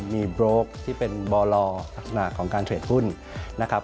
มีโบรกที่เป็นบอลอลักษณะของการเทรดหุ้นนะครับ